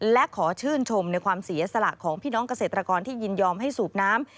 และขอชื่นชมในความเสียสละของพี่น้องเกษตรกรที่ยินยอมให้สูบน้ำ